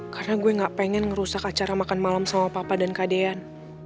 karena gue gak pengen ngerusak acara makan malam sama papa dan kak deyan